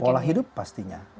pola hidup pastinya